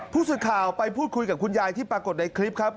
ผู้สื่อข่าวไปพูดคุยกับคุณยายที่ปรากฏในคลิปครับ